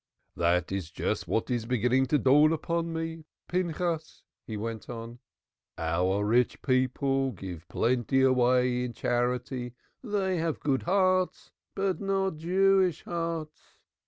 "That is just what is beginning to dawn upon me, Pinchas," he went on. "Our rich people give plenty away in charity; they have good hearts but not Jewish hearts.